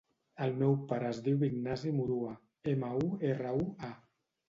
El meu pare es diu Ignasi Murua: ema, u, erra, u, a.